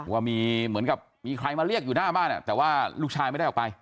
ว่ามีเหมือนกับมีใครมาเรียกอยู่หน้าบ้านแต่ว่าลูกชายไม่ได้ออกไป